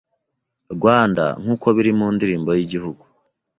rwanda nkuko biri mu ndirimbo y’Igihugu